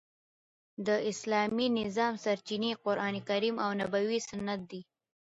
د اسلامي نظام سرچینې قران کریم او نبوي سنت دي.